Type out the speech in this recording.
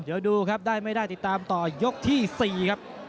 เดี๋ยวดูครับได้ไม่ได้ติดตามต่อยกที่๔ครับ